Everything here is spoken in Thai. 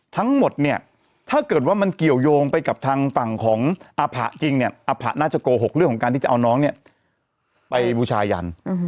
ทั้งหมดเนี่ยถ้าเกิดว่ามันเกี่ยวยงไปกับทางฝั่งของอภะจริงเนี่ยอภะน่าจะโกหกเรื่องของการที่จะเอาน้องเนี่ยไปบูชายัน